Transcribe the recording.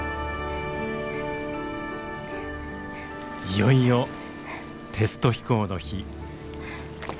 いよいよテスト飛行の日。